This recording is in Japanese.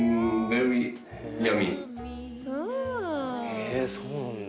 へえそうなんだ。